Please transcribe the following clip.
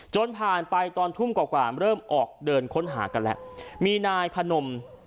จนผ่านไปตอนทุ่มกว่ากว่าเริ่มออกเดินค้นหากันแล้วมีนายพนม